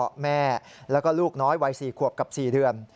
พ่อแม่แล้วก็ลูกน้อยวัย๔ขวบกับ๔เดือน